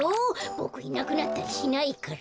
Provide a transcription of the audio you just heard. ボクいなくなったりしないから。